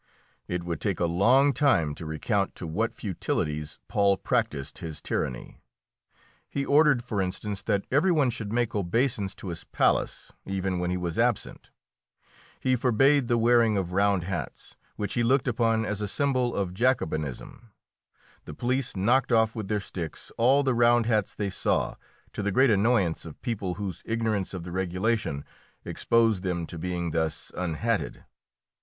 It would take a long time to recount to what futilities Paul practised his tyranny. He ordered, for instance, that every one should make obeisance to his palace, even when he was absent. He forbade the wearing of round hats, which he looked upon as a symbol of Jacobinism. The police knocked off with their sticks all the round hats they saw, to the great annoyance of people whose ignorance of the regulation exposed them to being thus unhatted.